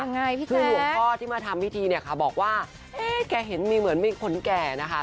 คือหลวงพ่อที่มาทำพิธีเนี่ยค่ะบอกว่าเอ๊ะแกเห็นมีเหมือนมีคนแก่นะคะ